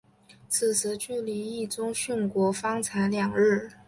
此时距离毅宗殉国方才两日。